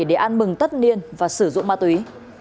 để an mừng tất niên và sử dụng ma túy